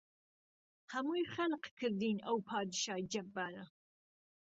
ههمووی خهلق کردين ئەو پادشای جهبباره